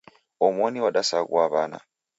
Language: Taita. Omoni wadasaghua wana.